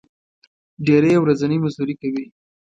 ډېری یې ورځنی مزدوري کوي.